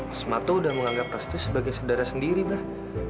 asma tuh udah menganggap restu sebagai saudara sendiri abah